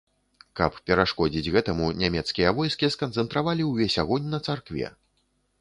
Каб перашкодзіць гэтаму, нямецкія войскі сканцэнтравалі ўвесь агонь на царкве.